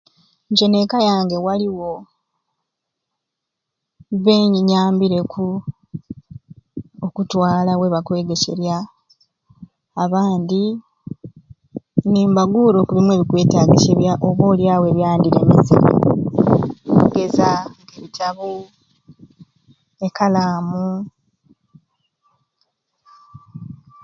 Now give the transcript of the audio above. Nje n'ekka yange waliwo benyi nyambireeku okutwala weba kwegeserya abandi nimbaguura okubimwei ebikwetagisirya oba olyawo ebyandiremeserye okugeza nk'ebitabu, ekalamu.